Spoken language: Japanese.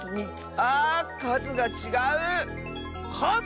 あかずがちがう！かず？